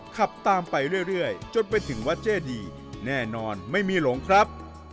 ขับตามไปเรื่อยจนไปถึงวัดเจดีแน่นอนไม่มีหลงครับ